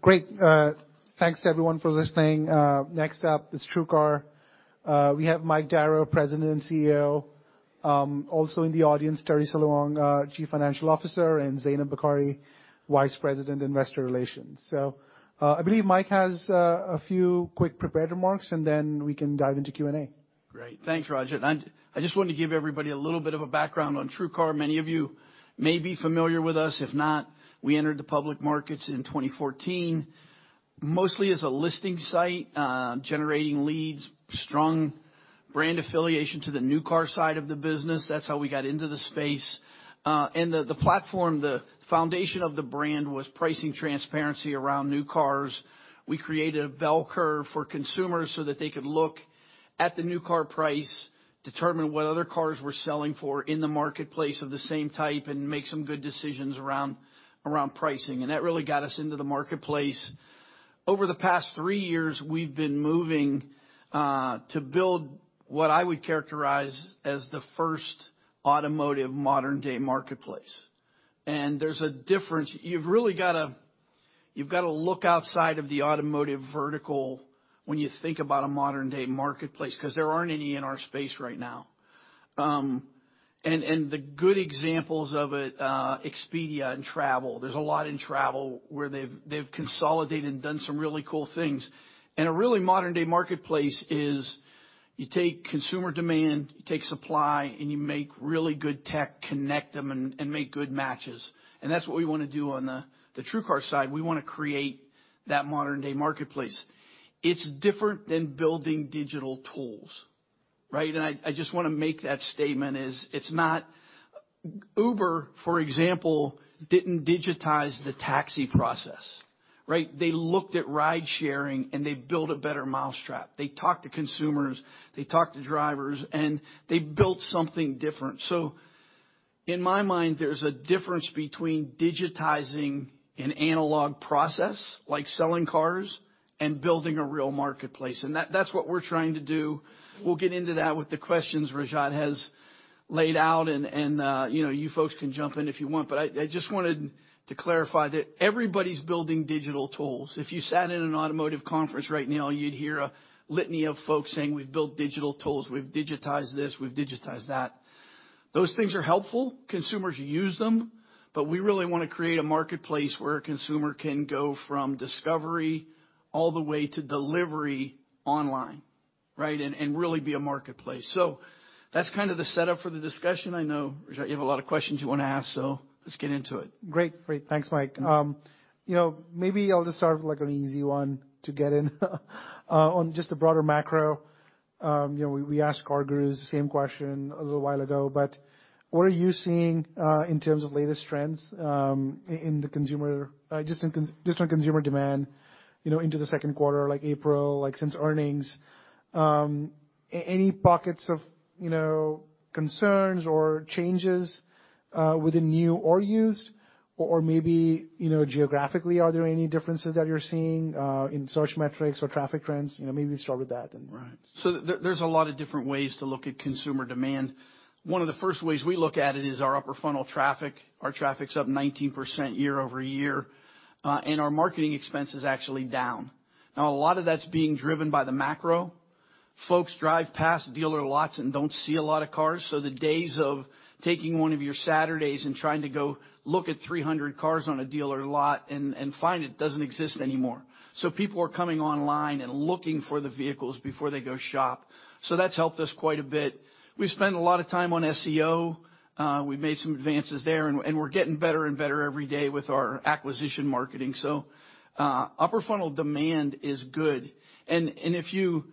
Great. Thanks everyone for listening. Next up is TrueCar. We have Mike Darrow, President and CEO. Also in the audience, Teresa Luong, our Chief Financial Officer, and Zainab Bukhari, Vice President, Investor Relations. I believe Mike has a few quick prepared remarks, and then we can dive into Q&A. Great. Thanks, Rajat. I just wanted to give everybody a little bit of a background on TrueCar. Many of you may be familiar with us. If not, we entered the public markets in 2014, mostly as a listing site, generating leads, strong brand affiliation to the new car side of the business. That's how we got into the space. The platform, the foundation of the brand was pricing transparency around new cars. We created a bell curve for consumers so that they could look at the new car price, determine what other cars were selling for in the marketplace of the same type, and make some good decisions around pricing. That really got us into the marketplace. Over the past three years, we've been moving to build what I would characterize as the first automotive modern day marketplace. There's a difference. You've really got to look outside of the automotive vertical when you think about a modern-day marketplace, 'cause there aren't any in our space right now. The good examples of it, Expedia and travel, there's a lot in travel where they've consolidated and done some really cool things. A really modern-day marketplace is you take consumer demand, you take supply, and you make really good tech, connect them, and make good matches. That's what we wanna do on the TrueCar side. We wanna create that modern-day marketplace. It's different than building digital tools, right? I just wanna make that statement is it's not Uber, for example, didn't digitize the taxi process, right? They looked at ride sharing, and they built a better mousetrap. They talked to consumers, they talked to drivers, and they built something different. In my mind, there's a difference between digitizing an analog process like selling cars and building a real marketplace, and that's what we're trying to do. We'll get into that with the questions Rajat has laid out and, you know, you folks can jump in if you want. I just wanted to clarify that everybody's building digital tools. If you sat in an automotive conference right now, you'd hear a litany of folks saying, "We've built digital tools. We've digitized this. We've digitized that." Those things are helpful. Consumers use them. We really wanna create a marketplace where a consumer can go from discovery all the way to delivery online, right? Really be a marketplace. That's kinda the setup for the discussion. I know, Rajat, you have a lot of questions you wanna ask, so let's get into it. Great. Great. Thanks, Mike. You know, maybe I'll just start with, like, an easy one to get in on just the broader macro. You know, we asked CarGurus the same question a little while ago. What are you seeing, in terms of latest trends, in the consumer just on consumer demand, you know, into the second quarter like April, like since earnings? Any pockets of, you know, concerns or changes, within new or used? Maybe, you know, geographically, are there any differences that you're seeing, in search metrics or traffic trends? You know, maybe start with that. Right. There's a lot of different ways to look at consumer demand. One of the first ways we look at it is our upper funnel traffic. Our traffic's up 19% year-over-year, and our marketing expense is actually down. A lot of that's being driven by the macro. Folks drive past dealer lots and don't see a lot of cars, so the days of taking one of your Saturdays and trying to go look at 300 cars on a dealer lot and find it doesn't exist anymore. People are coming online and looking for the vehicles before they go shop. That's helped us quite a bit. We've spent a lot of time on SEO. We've made some advances there, and we're getting better and better every day with our acquisition marketing. Upper funnel demand is good. If you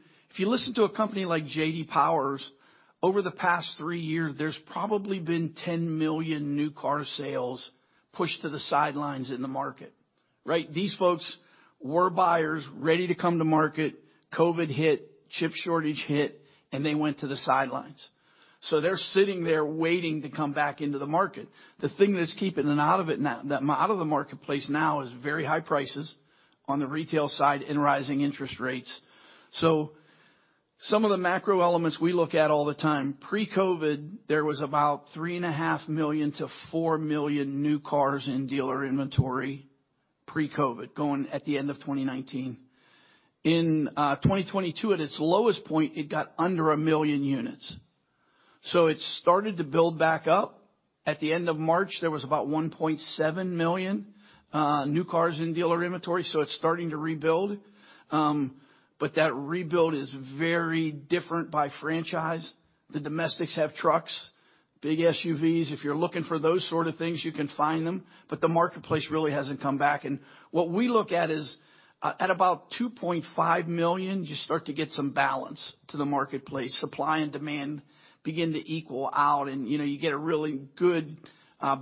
listen to a company like JD Power, over the past three years, there's probably been 10 million new car sales pushed to the sidelines in the market, right? These folks were buyers ready to come to market. COVID hit, chip shortage hit, and they went to the sidelines. They're sitting there waiting to come back into the market. The thing that's keeping them out of the marketplace now is very high prices on the retail side and rising interest rates. Some of the macro elements we look at all the time. Pre-COVID, there was about $3.5 million-$4 million new cars in dealer inventory, pre-COVID, going at the end of 2019. In 2022, at its lowest point, it got under 1 million units. It started to build back up. At the end of March, there was about 1.7 million new cars in dealer inventory, so it's starting to rebuild. That rebuild is very different by franchise. The domestics have trucks, big SUVs. If you're looking for those sort of things, you can find them, but the marketplace really hasn't come back. What we look at is at about 2.5 million, you start to get some balance to the marketplace. Supply and demand begin to equal out and, you know, you get a really good,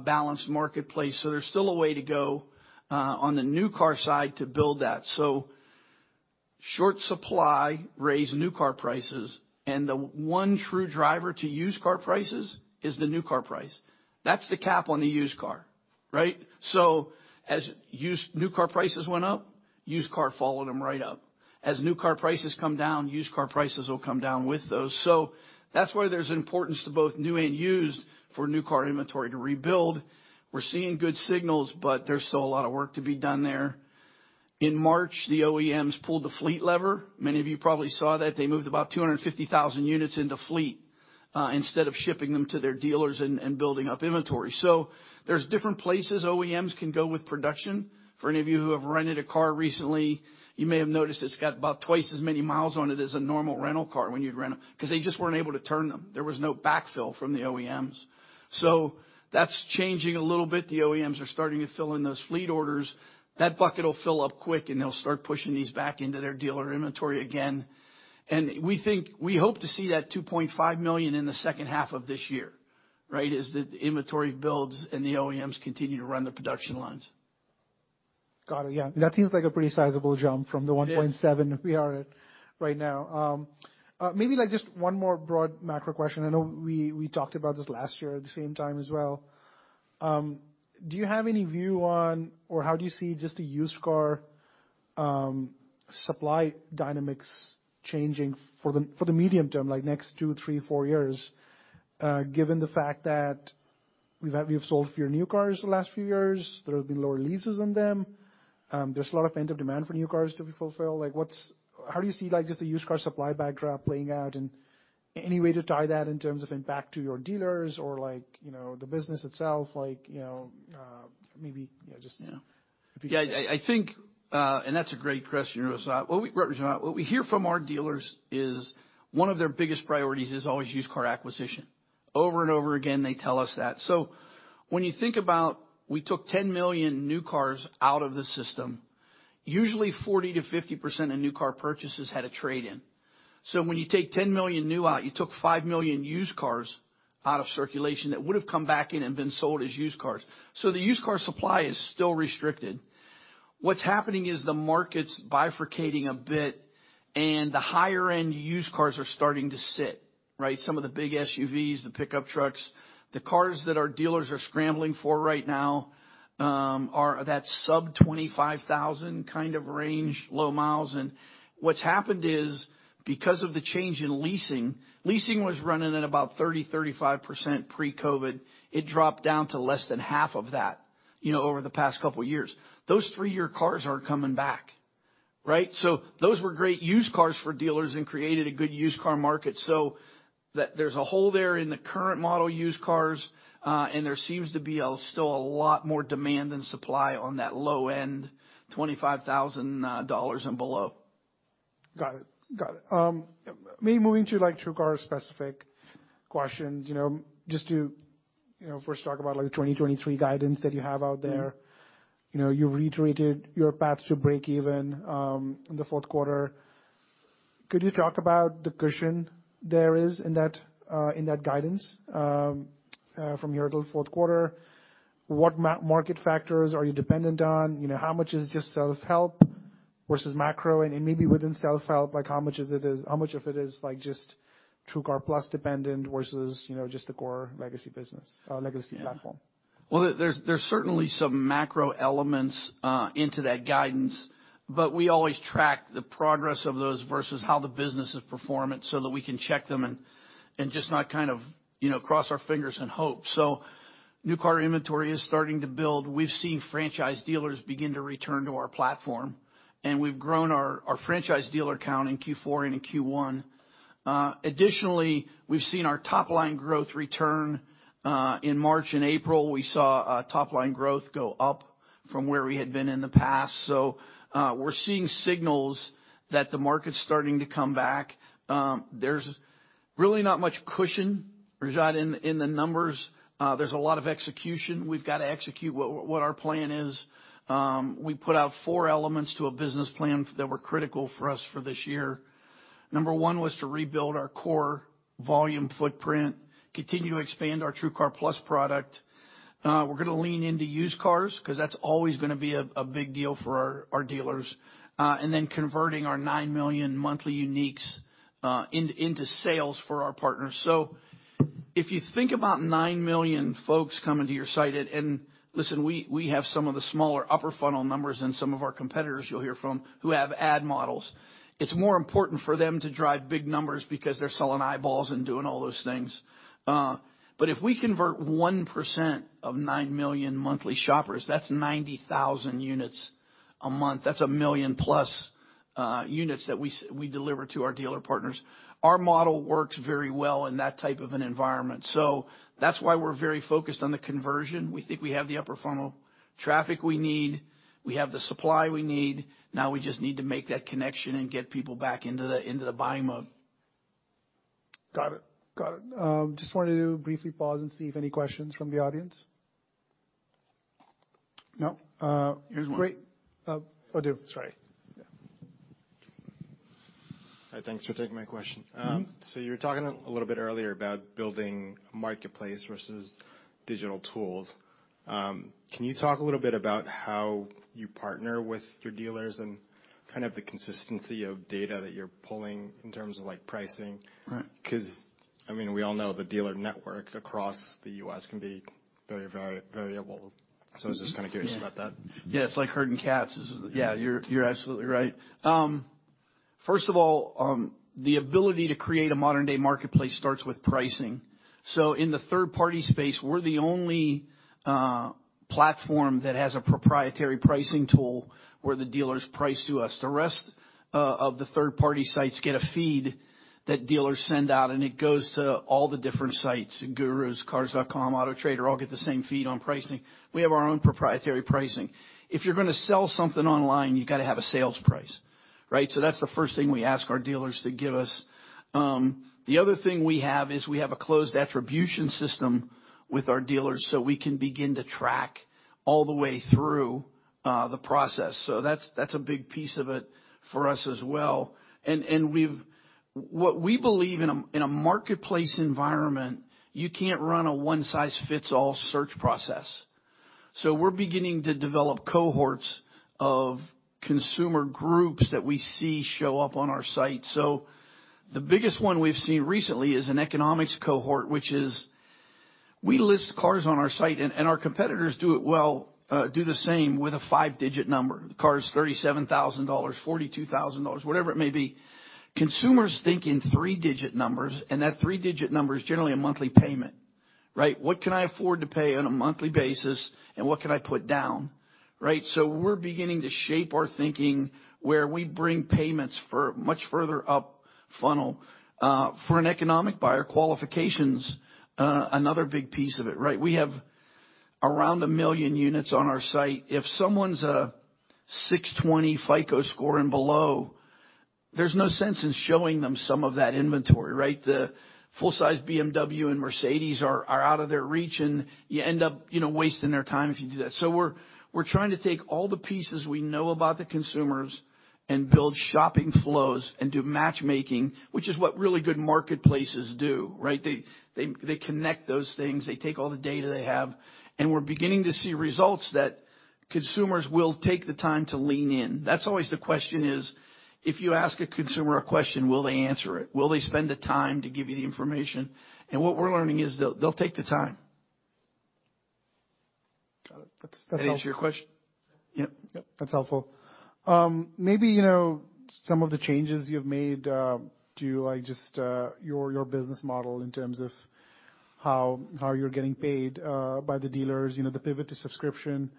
balanced marketplace, so there's still a way to go on the new car side to build that. Short supply raised new car prices, and the one true driver to used car prices is the new car price. That's the cap on the used car, right? As new car prices went up. Used car followed them right up. As new car prices come down, used car prices will come down with those. That's why there's importance to both new and used for new car inventory to rebuild. We're seeing good signals, but there's still a lot of work to be done there. In March, the OEMs pulled the fleet lever. Many of you probably saw that. They moved about 250,000 units into fleet instead of shipping them to their dealers and building up inventory. There's different places OEMs can go with production. For any of you who have rented a car recently, you may have noticed it's got about twice as many miles on it as a normal rental car when you'd rent them, 'cause they just weren't able to turn them. There was no backfill from the OEMs. That's changing a little bit. The OEMs are starting to fill in those fleet orders. That bucket will fill up quick, and they'll start pushing these back into their dealer inventory again. We hope to see that 2.5 million in the second half of this year, right? As the inventory builds and the OEMs continue to run their production lines. Got it. Yeah, that seems like a pretty sizable jump from the 1.7- It is... we are at right now. Maybe, like, just one more broad macro question. I know we talked about this last year at the same time as well. Do you have any view on or how do you see just the used car supply dynamics changing for the medium term, like next two, three, four years, given the fact that we've sold fewer new cars the last few years, there have been lower leases on them, there's a lot of pent-up demand for new cars to be fulfilled? How do you see, like, just the used car supply backdrop playing out? Any way to tie that in terms of impact to your dealers or like, you know, the business itself, like, you know, maybe, you know. Yeah. If you- Yeah. I, I think that's a great question, Rajat. What we hear from our dealers is one of their biggest priorities is always used car acquisition. Over and over again, they tell us that. When you think about we took 10 million new cars out of the system, usually 40%-50% of new car purchases had a trade-in. When you take 10 million new out, you took 5 million used cars out of circulation that would've come back in and been sold as used cars. The used car supply is still restricted. What's happening is the market's bifurcating a bit, and the higher-end used cars are starting to sit, right? Some of the big SUVs, the pickup trucks. The cars that our dealers are scrambling for right now, are that sub 25,000 kind of range, low miles. What's happened is, because of the change in leasing was running at about 30%-35% pre-COVID. It dropped down to less than half of that, you know, over the past couple years. Those three-year cars are coming back, right? Those were great used cars for dealers and created a good used car market. There's a hole there in the current model used cars, and there seems to be a, still a lot more demand than supply on that low-end $25,000 and below. Got it. Got it. Maybe moving to, like, TrueCar-specific questions, you know, just to, you know, first talk about, like, the 2023 guidance that you have out there. You know, you reiterated your path to break even in the fourth quarter. Could you talk about the cushion there is in that in that guidance from your adult fourth quarter? What market factors are you dependent on? You know, how much is just self-help versus macro? Maybe within self-help, like how much of it is, like, just TrueCar+ dependent versus, you know, just the core legacy business, legacy platform? There's certainly some macro elements into that guidance, but we always track the progress of those versus how the business is performing so that we can check them and just not kind of, you know, cross our fingers and hope. New car inventory is starting to build. We've seen franchise dealers begin to return to our platform, and we've grown our franchise dealer count in Q4 and in Q1. Additionally, we've seen our top-line growth return. In March and April, we saw top-line growth go up from where we had been in the past. We're seeing signals that the market's starting to come back. There's really not much cushion, Rajat, in the numbers. There's a lot of execution. We've got to execute what our plan is. We put out four elements to a business plan that were critical for us for this year. Number one was to rebuild our core volume footprint, continue to expand our TrueCar+ product. We're gonna lean into used cars 'cause that's always gonna be a big deal for our dealers. And then converting our 9 million monthly uniques into sales for our partners. If you think about 9 million folks coming to your site, and listen, we have some of the smaller upper funnel numbers than some of our competitors you'll hear from who have ad models. It's more important for them to drive big numbers because they're selling eyeballs and doing all those things. If we convert 1% of 9 million monthly shoppers, that's 90,000 units a month. That's 1 million+ units that we deliver to our dealer partners. Our model works very well in that type of an environment. That's why we're very focused on the conversion. We think we have the upper funnel traffic we need. We have the supply we need. We just need to make that connection and get people back into the buying mode. Got it. Got it. Just wanted to briefly pause and see if any questions from the audience. No? Here's one. Great. Adeel, sorry. Yeah. Hi, thanks for taking my question. Mm-hmm. You were talking a little bit earlier about building a marketplace versus digital tools. Can you talk a little bit about how you partner with your dealers? Kind of the consistency of data that you're pulling in terms of, like, pricing. Right. I mean, we all know the dealer network across the US can be very variable. I was just kinda curious about that. Yeah, it's like herding cats. Yeah, you're absolutely right. First of all, the ability to create a modern-day marketplace starts with pricing. In the third-party space, we're the only platform that has a proprietary pricing tool where the dealers price to us. The rest of the third-party sites get a feed that dealers send out, and it goes to all the different sites. GurusCars.com, Autotrader, all get the same feed on pricing. We have our own proprietary pricing. If you're gonna sell something online, you gotta have a sales price, right? That's the first thing we ask our dealers to give us. The other thing we have is we have a closed attribution system with our dealers, so we can begin to track all the way through the process. That's, that's a big piece of it for us as well. What we believe in a, in a marketplace environment, you can't run a one-size-fits-all search process. We're beginning to develop cohorts of consumer groups that we see show up on our site. The biggest one we've seen recently is an economics cohort, which is we list cars on our site, and our competitors do it well, do the same with a five-digit number. The car is $37,000, $42,000, whatever it may be. Consumers think in three-digit numbers, and that three-digit number is generally a monthly payment, right? What can I afford to pay on a monthly basis, and what can I put down, right? We're beginning to shape our thinking where we bring payments for much further up funnel for an economic buyer qualifications, another big piece of it, right? We have around 1 million units on our site. If someone's a 620 FICO score and below, there's no sense in showing them some of that inventory, right? The full-size BMW and Mercedes are out of their reach, and you end up, you know, wasting their time if you do that. We're trying to take all the pieces we know about the consumers and build shopping flows and do matchmaking, which is what really good marketplaces do, right? They connect those things, they take all the data they have, and we're beginning to see results that consumers will take the time to lean in. That's always the question is, if you ask a consumer a question, will they answer it? Will they spend the time to give you the information? What we're learning is they'll take the time. Got it. That's helpful. Does that answer your question? Yep. Yep, that's helpful. Maybe, you know, some of the changes you've made to, like, your business model in terms of how you're getting paid by the dealers, you know, the pivot to subscription.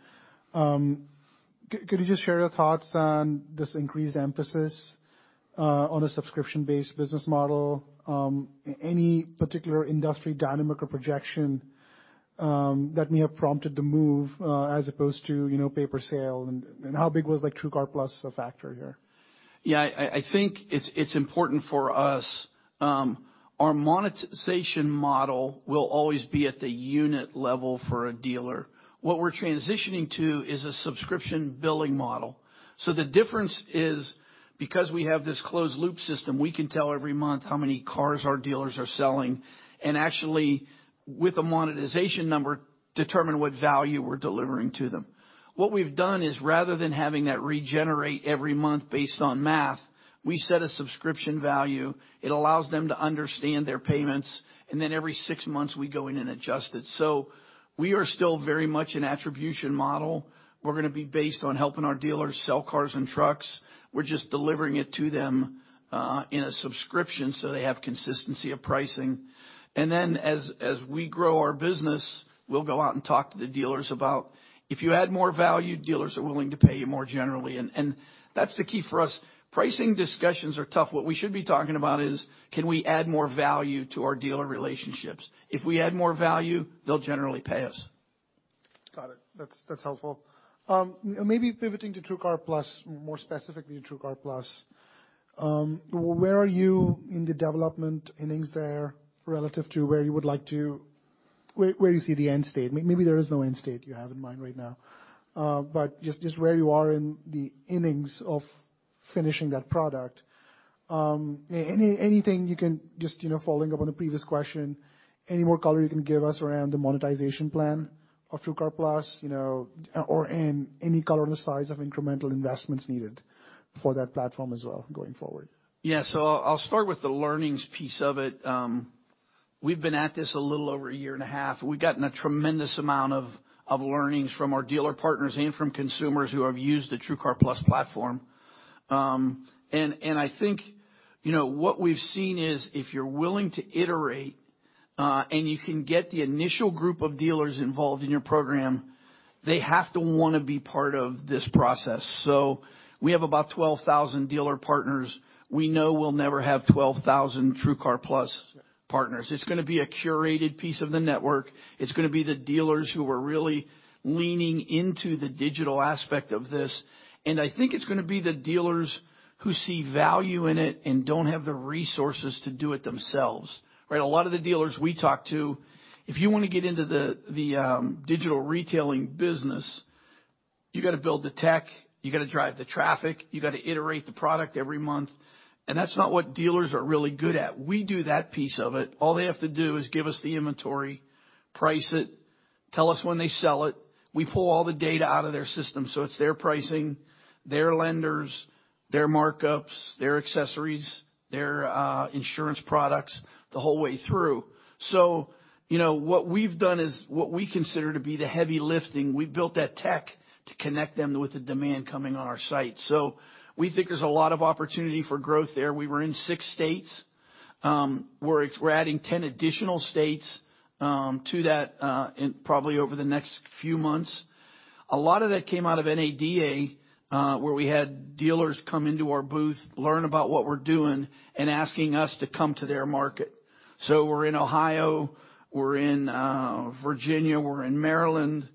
Could you share your thoughts on this increased emphasis on a subscription-based business model, any particular industry dynamic or projection that may have prompted the move as opposed to, you know, pay-per-sale and how big was, like, TrueCar+ a factor here? Yeah, I think it's important for us. Our monetization model will always be at the unit level for a dealer. The difference is, because we have this closed loop system, we can tell every month how many cars our dealers are selling, and actually, with a monetization number, determine what value we're delivering to them. What we've done is, rather than having that regenerate every month based on math, we set a subscription value, it allows them to understand their payments, and then every six months, we go in and adjust it. We are still very much an attribution model. We're gonna be based on helping our dealers sell cars and trucks. We're just delivering it to them, in a subscription, so they have consistency of pricing. As we grow our business, we'll go out and talk to the dealers about if you add more value, dealers are willing to pay you more generally. That's the key for us. Pricing discussions are tough. What we should be talking about is can we add more value to our dealer relationships? If we add more value, they'll generally pay us. Got it. That's helpful. Maybe pivoting to TrueCar+, more specifically to TrueCar+. Where are you in the development innings there? Where do you see the end state? Maybe there is no end state you have in mind right now. Just where you are in the innings of finishing that product. Anything you can just, you know, following up on a previous question, any more color you can give us around the monetization plan of TrueCar+, you know, or, and any color on the size of incremental investments needed for that platform as well going forward? I'll start with the learnings piece of it. We've been at this a little over a year and a half. We've gotten a tremendous amount of learnings from our dealer partners and from consumers who have used the TrueCar+ platform. I think, you know, what we've seen is, if you're willing to iterate, and you can get the initial group of dealers involved in your program, they have to wanna be part of this process. We have about 12,000 dealer partners. We know we'll never have 12,000 TrueCar+ partners. It's gonna be a curated piece of the network. It's gonna be the dealers who are really leaning into the digital aspect of this, and I think it's gonna be the dealers who see value in it and don't have the resources to do it themselves, right? A lot of the dealers we talk to, if you wanna get into the digital retailing business, you gotta build the tech, you gotta drive the traffic, you gotta iterate the product every month, That's not what dealers are really good at. We do that piece of it. All they have to do is give us the inventory, price it, tell us when they sell it. We pull all the data out of their system, so it's their pricing, their lenders, their markups, their accessories, their insurance products, the whole way through. You know, what we've done is what we consider to be the heavy lifting. We've built that tech to connect them with the demand coming on our site. We think there's a lot of opportunity for growth there. We were in six states. We're adding 10 additional states to that probably over the next few months. A lot of that came out of NADA, where we had dealers come into our booth, learn about what we're doing and asking us to come to their market. We're in Ohio, we're in Virginia, we're in Maryland,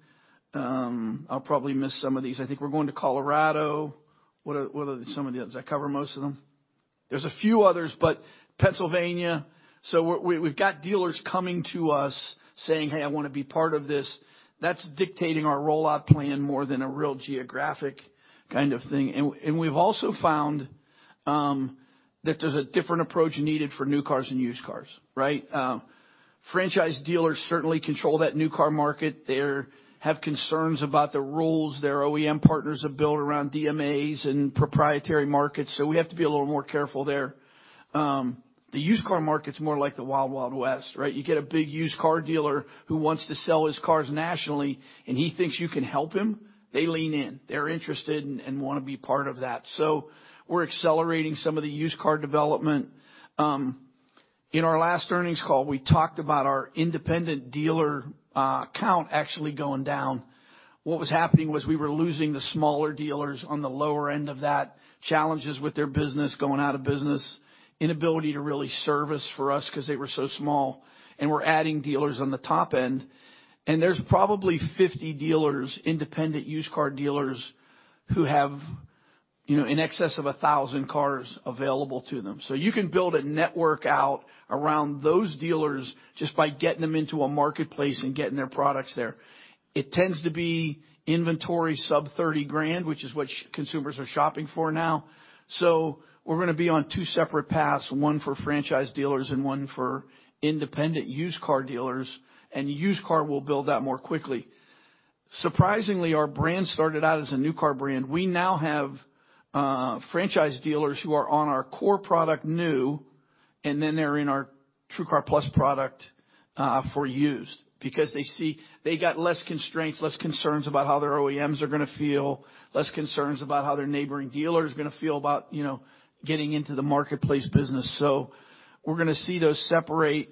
I'll probably miss some of these. I think we're going to Colorado. What are some of the others? I cover most of them. There's a few others, but Pennsylvania. We've got dealers coming to us saying, "Hey, I wanna be part of this." That's dictating our rollout plan more than a real geographic kind of thing. We've also found that there's a different approach needed for new cars and used cars, right? Franchise dealers certainly control that new car market. They have concerns about the rules their OEM partners have built around DMAs and proprietary markets. We have to be a little more careful there. The used car market's more like the wild west, right? You get a big used car dealer who wants to sell his cars nationally. He thinks you can help him, they lean in. They're interested and wanna be part of that. We're accelerating some of the used car development. In our last earnings call, we talked about our independent dealer count actually going down. What was happening was we were losing the smaller dealers on the lower end of that, challenges with their business, going out of business, inability to really service for us because they were so small. We're adding dealers on the top end. There's probably 50 dealers, independent used car dealers, who have, you know, in excess of 1,000 cars available to them. You can build a network out around those dealers just by getting them into a marketplace and getting their products there. It tends to be inventory sub $30,000, which is what consumers are shopping for now. We're gonna be on two separate paths, one for franchise dealers and one for independent used car dealers, and used car will build out more quickly. Surprisingly, our brand started out as a new car brand. We now have franchise dealers who are on our core product new. They're in our TrueCar+ product for used because they see they got less constraints, less concerns about how their OEMs are gonna feel, less concerns about how their neighboring dealer is gonna feel about, you know, getting into the marketplace business. We're gonna see those separate,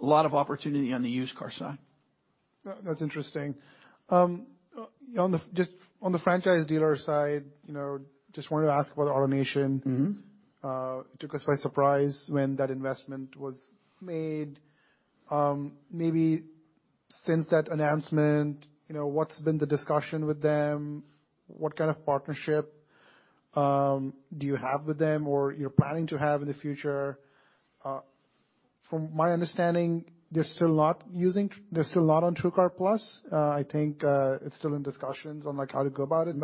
a lot of opportunity on the used car side. That's interesting. On the franchise dealer side, you know, just wanted to ask about AutoNation. Mm-hmm. It took us by surprise when that investment was made. Maybe since that announcement, you know, what's been the discussion with them? What kind of partnership do you have with them or you're planning to have in the future? From my understanding, they're still not on TrueCar+. I think it's still in discussions on, like, how to go about it.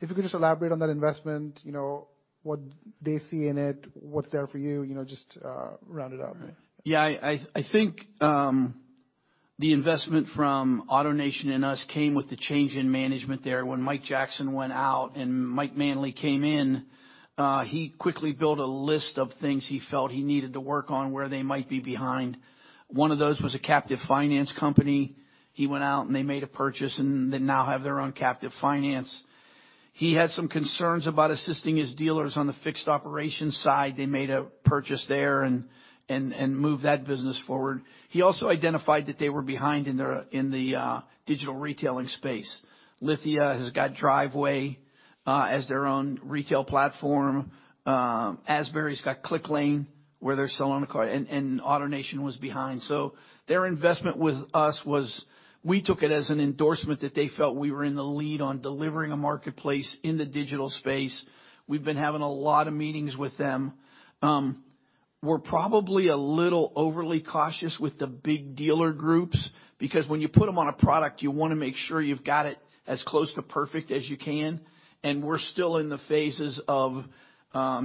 If you could just elaborate on that investment, you know, what they see in it, what's there for you know, just round it out. Yeah. I think, the investment from AutoNation and us came with the change in management there. When Mike Jackson went out and Mike Manley came in, he quickly built a list of things he felt he needed to work on where they might be behind. One of those was a captive finance company. He went out, and they made a purchase, and they now have their own captive finance. He had some concerns about assisting his dealers on the fixed operations side. They made a purchase there and moved that business forward. He also identified that they were behind in the digital retailing space. Lithia has got Driveway as their own retail platform. Asbury's got Clicklane, where they're selling the car, and AutoNation was behind. Their investment with us was, we took it as an endorsement that they felt we were in the lead on delivering a marketplace in the digital space. We've been having a lot of meetings with them. We're probably a little overly cautious with the big dealer groups because when you put them on a product, you wanna make sure you've got it as close to perfect as you can, and we're still in the phases of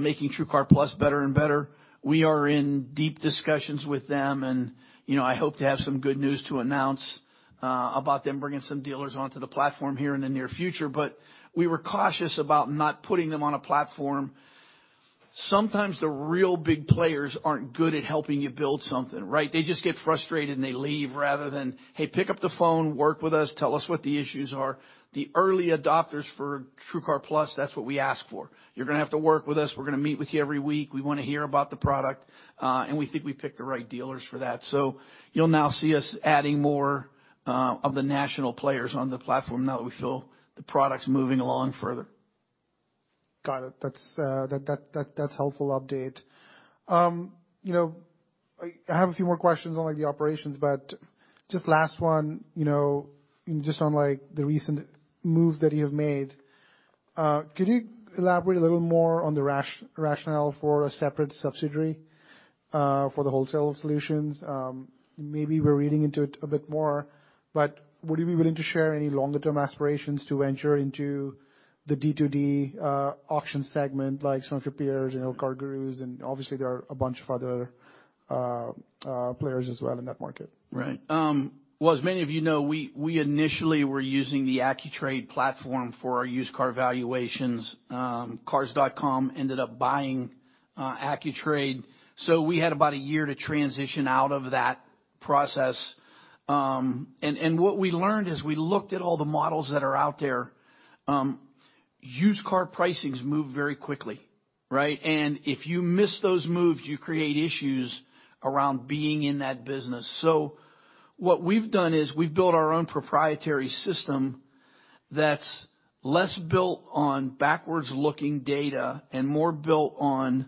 making TrueCar+ better and better. We are in deep discussions with them and, you know, I hope to have some good news to announce about them bringing some dealers onto the platform here in the near future. We were cautious about not putting them on a platform. Sometimes the real big players aren't good at helping you build something, right? They just get frustrated, and they leave rather than, "Hey, pick up the phone, work with us, tell us what the issues are." The early adopters for TrueCar+, that's what we ask for. You're gonna have to work with us. We're gonna meet with you every week. We wanna hear about the product, and we think we picked the right dealers for that. You'll now see us adding more of the national players on the platform now that we feel the product's moving along further. Got it. That's that's helpful update. You know, I have a few more questions on, like, the operations. Just last one, you know, just on, like, the recent moves that you have made. Could you elaborate a little more on the rationale for a separate subsidiary for the wholesale solutions? Maybe we're reading into it a bit more, but would you be willing to share any longer term aspirations to venture into the D2D auction segment like some of your peers, you know, CarGurus? Obviously there are a bunch of other players as well in that market. Right. well, as many of you know, we initially were using the Accu-Trade platform for our used car valuations. Cars.com ended up buying Accu-Trade. We had about a year to transition out of that process. And what we learned as we looked at all the models that are out there, used car pricings move very quickly, right? If you miss those moves, you create issues around being in that business. What we've done is we've built our own proprietary system that's less built on backwards-looking data and more built on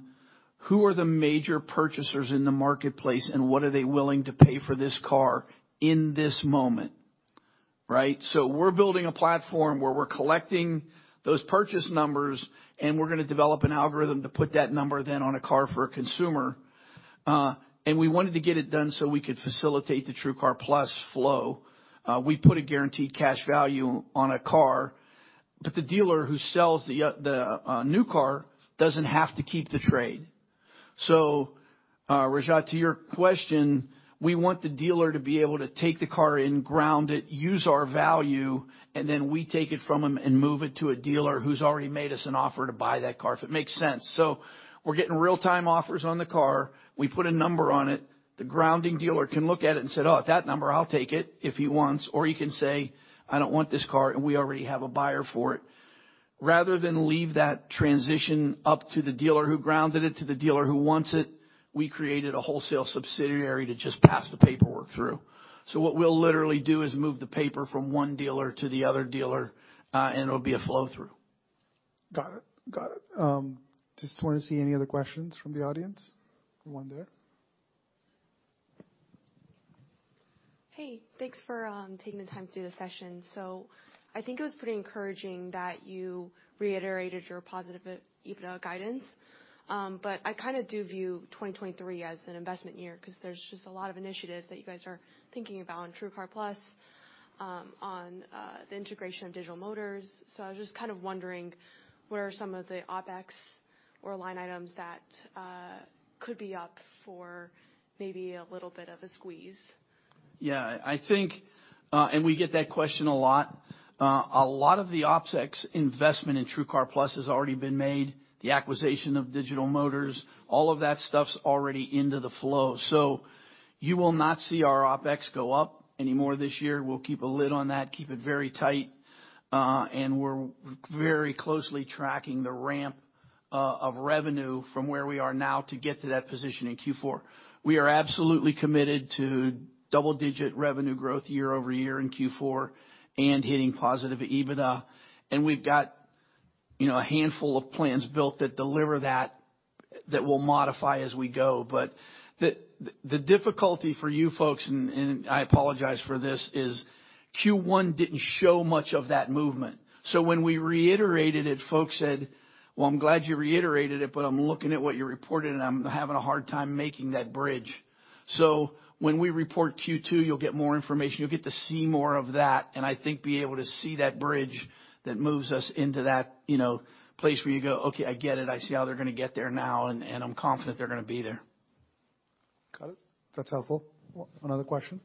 who are the major purchasers in the marketplace and what are they willing to pay for this car in this moment, right? We're building a platform where we're collecting those purchase numbers, and we're gonna develop an algorithm to put that number then on a car for a consumer. We wanted to get it done so we could facilitate the TrueCar+ flow. We put a guaranteed cash value on a car, but the dealer who sells the new car doesn't have to keep the trade. Rajat, to your question, we want the dealer to be able to take the car and ground it, use our value, and then we take it from him and move it to a dealer who's already made us an offer to buy that car, if it makes sense. We're getting real-time offers on the car. We put a number on it. The grounding dealer can look at it and say, "Oh, at that number, I'll take it," if he wants, or he can say, "I don't want this car," and we already have a buyer for it. Rather than leave that transition up to the dealer who grounded it to the dealer who wants it, we created a wholesale subsidiary to just pass the paperwork through. What we'll literally do is move the paper from one dealer to the other dealer, and it'll be a flow-through. Got it. Got it. Just wanna see any other questions from the audience? One there. Thanks for taking the time to do the session. I think it was pretty encouraging that you reiterated your positive EBITDA guidance. I kind of do view 2023 as an investment year because there's just a lot of initiatives that you guys are thinking about in TrueCar+, on the integration of Digital Motors. I was just kind of wondering what are some of the OpEx or line items that could be up for maybe a little bit of a squeeze? Yeah, I think. We get that question a lot. A lot of the OpEx investment in TrueCar+ has already been made. The acquisition of Digital Motors, all of that stuff's already into the flow. You will not see our OpEx go up any more this year. We'll keep a lid on that, keep it very tight. We're very closely tracking the ramp of revenue from where we are now to get to that position in Q4. We are absolutely committed to double-digit revenue growth year-over-year in Q4 and hitting positive EBITDA. We've got, you know, a handful of plans built that deliver that we'll modify as we go. The, the difficulty for you folks, and I apologize for this, is Q1 didn't show much of that movement. When we reiterated it, folks said, "Well, I'm glad you reiterated it, but I'm looking at what you reported, and I'm having a hard time making that bridge." When we report Q2, you'll get more information. You'll get to see more of that and I think be able to see that bridge that moves us into that, you know, place where you go, "Okay, I get it. I see how they're gonna get there now, and I'm confident they're gonna be there. Got it. That's helpful. Another question.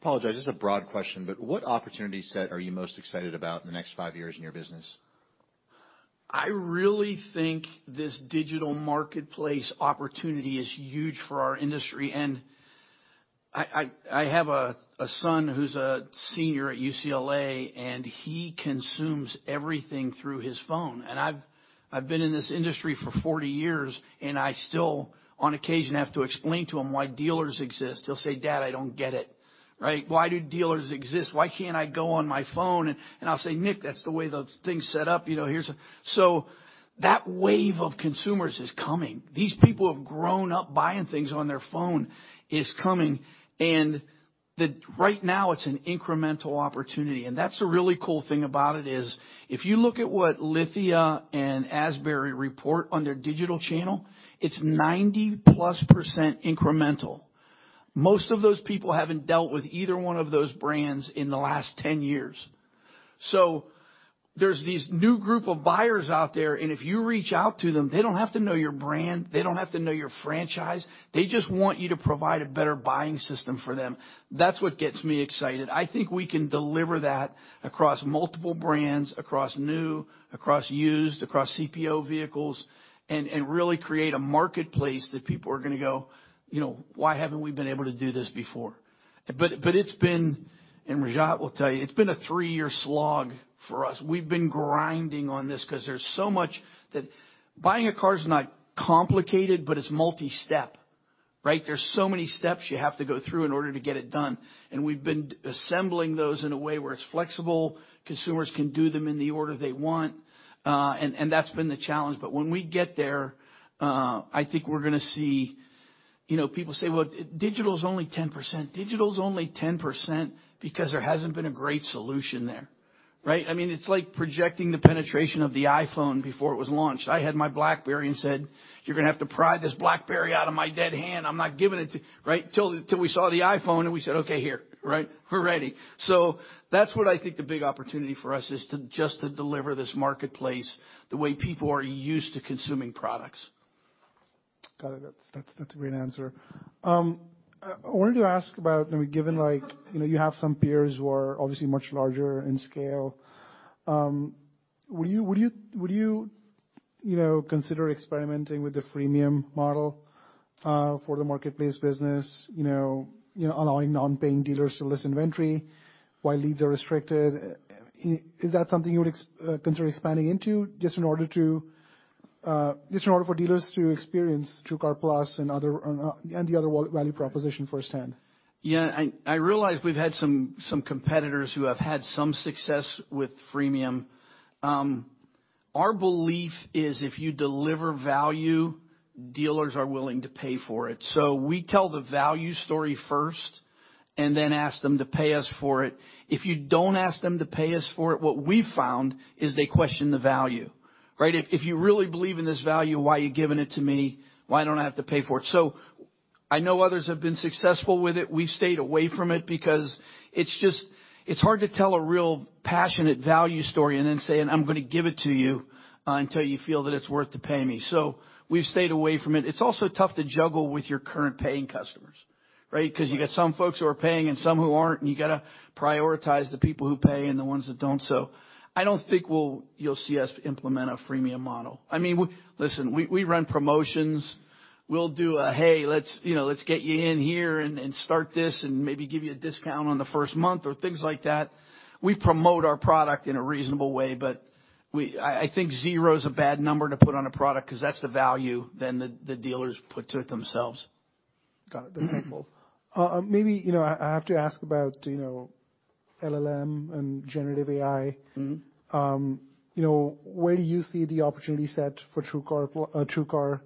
Apologize, this is a broad question, but what opportunity set are you most excited about in the next five years in your business? I really think this digital marketplace opportunity is huge for our industry. I have a son who's a senior at UCLA, and he consumes everything through his phone. I've been in this industry for 40 years, I still, on occasion, have to explain to him why dealers exist. He'll say, "Dad, I don't get it," right? "Why do dealers exist? Why can't I go on my phone?" I'll say, "Nick, that's the way the thing's set up. You know, here's a..." That wave of consumers is coming. These people who have grown up buying things on their phone is coming. Right now, it's an incremental opportunity. That's a really cool thing about it is, if you look at what Lithia and Asbury report on their digital channel, it's 90%+ incremental. Most of those people haven't dealt with either one of those brands in the last 10 years. There's these new group of buyers out there, and if you reach out to them, they don't have to know your brand. They don't have to know your franchise. They just want you to provide a better buying system for them. That's what gets me excited. I think we can deliver that across multiple brands, across new, across used, across CPO vehicles, and really create a marketplace that people are gonna go, you know, "Why haven't we been able to do this before?" It's been, and Rajat will tell you, it's been a three-year slog for us. We've been grinding on this 'cause there's so much that... Buying a car is not complicated, but it's multi-step, right? There's so many steps you have to go through in order to get it done, and we've been assembling those in a way where it's flexible. Consumers can do them in the order they want, and that's been the challenge. When we get there, I think we're gonna see... You know, people say, "Well, digital is only 10%." Digital is only 10% because there hasn't been a great solution there, right? I mean, it's like projecting the penetration of the iPhone before it was launched. I had my BlackBerry and said, "You're gonna have to pry this BlackBerry out of my dead hand. I'm not giving it to..." Right? Till we saw the iPhone, and we said, "Okay, here." Right? We're ready." That's what I think the big opportunity for us is, to just to deliver this marketplace the way people are used to consuming products. Got it. That's, that's a great answer. I wanted to ask about, you know, given, like, you know, you have some peers who are obviously much larger in scale, would you know, consider experimenting with the freemium model for the marketplace business, you know, you know, allowing non-paying dealers to list inventory while leads are restricted, is that something you would consider expanding into just in order to just in order for dealers to experience TrueCar+ and other, and the other value proposition firsthand? Yeah. I realize we've had some competitors who have had some success with freemium. Our belief is if you deliver value, dealers are willing to pay for it. We tell the value story first and then ask them to pay us for it. If you don't ask them to pay us for it, what we've found is they question the value, right? If you really believe in this value, why are you giving it to me? Why don't I have to pay for it? I know others have been successful with it. We've stayed away from it because it's just it's hard to tell a real passionate value story and then say, "I'm gonna give it to you until you feel that it's worth to pay me." We've stayed away from it. It's also tough to juggle with your current paying customers, right? 'Cause you got some folks who are paying and some who aren't, and you gotta prioritize the people who pay and the ones that don't. I don't think you'll see us implement a freemium model. I mean, listen, we run promotions. We'll do a, "Hey, let's, you know, let's get you in here and start this and maybe give you a discount on the first month," or things like that. We promote our product in a reasonable way, but I think zero is a bad number to put on a product 'cause that's the value then the dealers put to it themselves. Got it. That's helpful. maybe, you know, I have to ask about, you know, LLM and generative AI? Mm-hmm. You know, where do you see the opportunity set for TrueCar,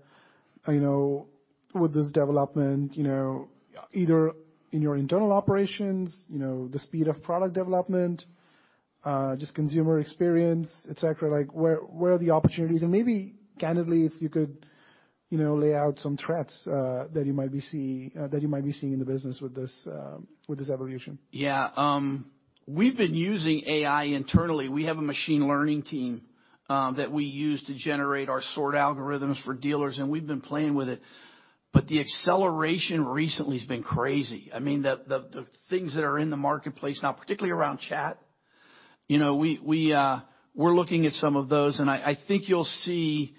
you know, with this development, you know, either in your internal operations, you know, the speed of product development, just consumer experience, et cetera. Like, where are the opportunities? Maybe, candidly, if you could, you know, lay out some threats that you might be seeing in the business with this evolution. Yeah. We've been using AI internally. We have a machine learning team that we use to generate our sort algorithms for dealers, and we've been playing with it. The acceleration recently has been crazy. I mean, the things that are in the marketplace now, particularly around chat, you know, we're looking at some of those. I think you'll see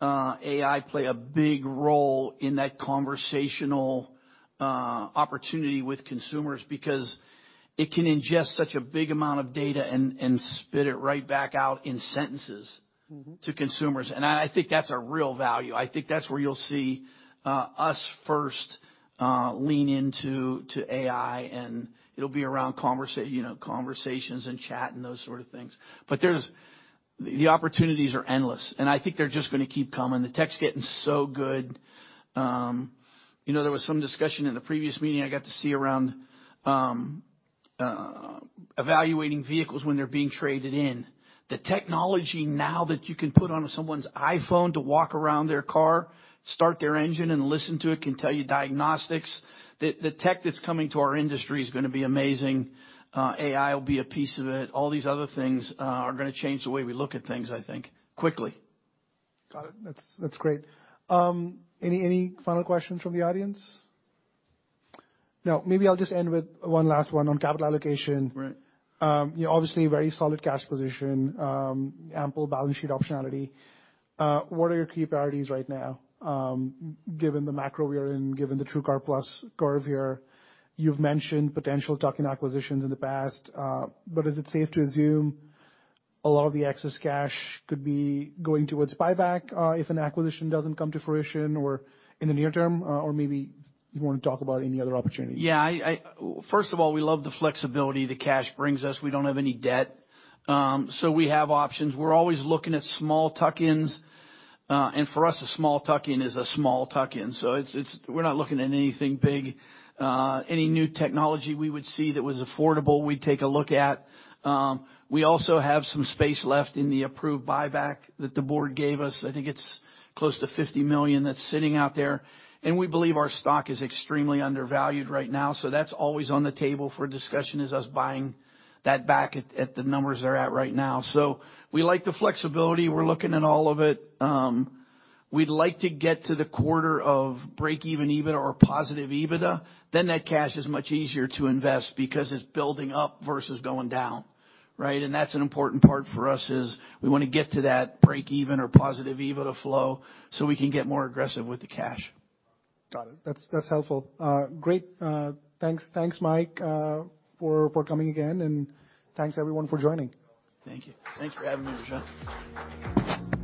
AI play a big role in that conversational opportunity with consumers because it can ingest such a big amount of data and spit it right back out in sentences. Mm-hmm. -to consumers. I think that's a real value. I think that's where you'll see us first lean into to AI, and it'll be around you know, conversations and chat and those sort of things. There's. The opportunities are endless, and I think they're just gonna keep coming. The tech's getting so good. You know, there was some discussion in the previous meeting I got to see around evaluating vehicles when they're being traded in. The technology now that you can put on someone's iPhone to walk around their car, start their engine and listen to it, can tell you diagnostics. The tech that's coming to our industry is gonna be amazing. AI will be a piece of it. All these other things are gonna change the way we look at things, I think, quickly. Got it. That's great. Any final questions from the audience? No. Maybe I'll just end with one last one on capital allocation. Right. you know, obviously, very solid cash position, ample balance sheet optionality. What are your key priorities right now, given the macro we are in, given the TrueCar+ curve here? You've mentioned potential tuck-in acquisitions in the past, but is it safe to assume a lot of the excess cash could be going towards buyback, if an acquisition doesn't come to fruition or in the near term? Or maybe you wanna talk about any other opportunity. Yeah. First of all, we love the flexibility the cash brings us. We don't have any debt. We have options. We're always looking at small tuck-ins. For us, a small tuck-in is a small tuck-in. We're not looking at anything big. Any new technology we would see that was affordable, we'd take a look at. We also have some space left in the approved buyback that the board gave us. I think it's close to $50 million that's sitting out there. We believe our stock is extremely undervalued right now. That's always on the table for discussion, is us buying that back at the numbers they're at right now. We like the flexibility. We're looking at all of it. We'd like to get to the quarter of break even or positive EBITDA. That cash is much easier to invest because it's building up versus going down, right? That's an important part for us, is we wanna get to that break even or positive EBITDA flow so we can get more aggressive with the cash. Got it. That's helpful. Great. Thanks. Thanks, Mike, for coming again. Thanks everyone for joining. Thank you. Thanks for having me, Rajat.